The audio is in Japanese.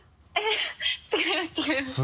違います